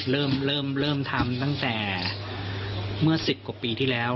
เริ่มเริ่มทำตั้งแต่เมื่อ๑๐กว่าปีที่แล้ว